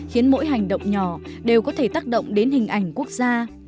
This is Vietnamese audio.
khiến mỗi hành động nhỏ đều có thể tác động đến hình ảnh quốc gia